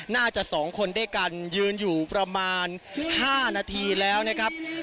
น่าจะ๒คนด้วยกันยืนอยู่ประมาณ๕นาทีแล้วนะครับ